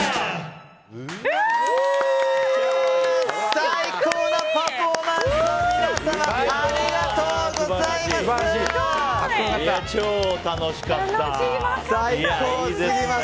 最高なパフォーマンスを皆様ありがとうございます！